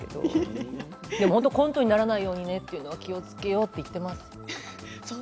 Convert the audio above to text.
でも本当にコントにならないようにというのは気をつけようねって言っています。